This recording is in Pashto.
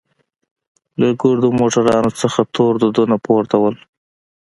له ګردو موټرانوڅخه تور دودونه پورته وو.